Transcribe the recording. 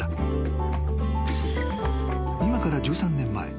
［今から１３年前。